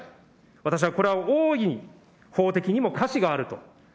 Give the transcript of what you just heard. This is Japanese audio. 私はこれは大いに法的にもかしがあると。